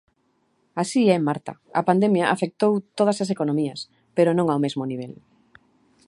Así é, Marta, a pandemia afectou todas as economías, pero non ao mesmo nivel.